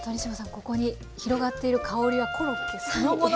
ここに広がっている香りはコロッケそのものですね。